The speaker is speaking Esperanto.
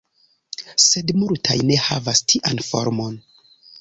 Sed multaj ne havas tian formon.